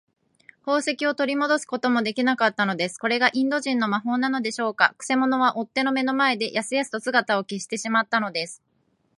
宝石をとりもどすこともできなかったのです。これがインド人の魔法なのでしょうか。くせ者は追っ手の目の前で、やすやすと姿を消してしまったのです。